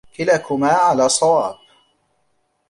كلاكما على صواب